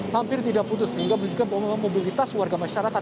hampir tidak putus sehingga memiliki mobilitas warga masyarakat